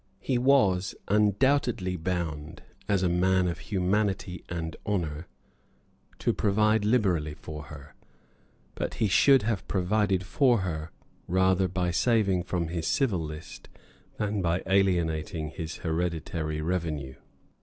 He was undoubtedly bound, as a man of humanity and honour, to provide liberally for her; but he should have provided for her rather by saving from his civil list than by alienating his hereditary revenue.